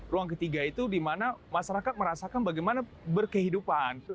ruang ketiga itu di mana masyarakat merasakan bagaimana berkehidupan